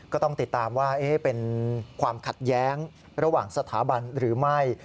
ก็ต้องติดตามว่าเป็นความขัดแย้งระหว่างสถาบันหรือไม่